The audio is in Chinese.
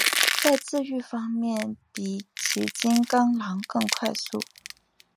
在自愈方面比起金钢狼更快速。